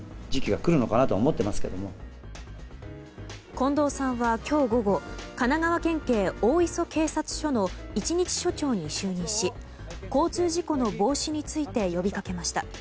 近藤さんは今日午後神奈川県警大磯警察署の一日署長に就任し交通事故の防止について呼びかけました。